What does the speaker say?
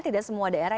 tidak semua daerah